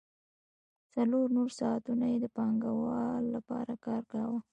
څلور نور ساعتونه یې د پانګوال لپاره کار کاوه